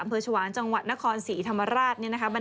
เผือชวานจังหวัดนครศรีธรรมราช